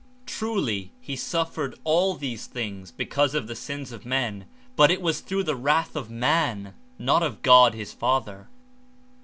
Truly he suffered all these things because of '^^^^'^/''^^^ the sms or men, but it was through the wrath of man, not of God, his Father.